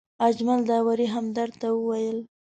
اجمل داوري همدرد ته وویل.